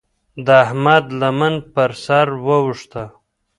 د احمد لمن پر سر واوښته.